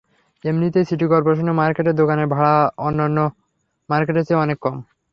এমনিতেই সিটি করপোরেশনের মার্কেটের দোকানের ভাড়া অন্যান্য মার্কেটের চেয়ে অনেক কম।